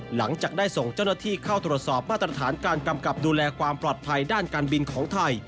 หลังจากได้ส่งเจ้าหน้าที่เข้าตรวจสอบมาตรฐานการกำกับดูแลความปลอดภัยด้านการบินของไทย